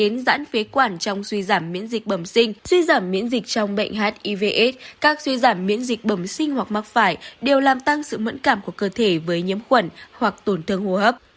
nói đến giãn phế quản trong suy giảm miễn dịch bầm sinh suy giảm miễn dịch trong bệnh hiv aids các suy giảm miễn dịch bầm sinh hoặc mắc phải đều làm tăng sự mẫn cảm của cơ thể với nhiễm khuẩn hoặc tổn thương hô hấp